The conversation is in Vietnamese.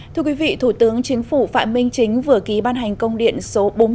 thưa quý vị thủ tướng chính phủ phạm minh chính vừa ký ban hành công điện số bốn mươi năm